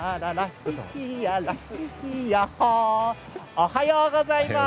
おはようございます。